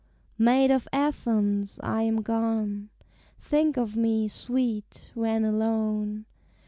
] Maid of Athens! I am gone. Think of me, sweet! when alone.